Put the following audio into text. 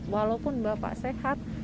walaupun bapak sehat